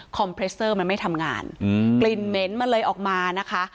เพรสเตอร์มันไม่ทำงานกลิ่นเหม็นมันเลยออกมานะคะ